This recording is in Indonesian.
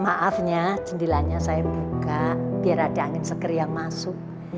maafnya jendilannya saya buka biar ada angin segar yang masuk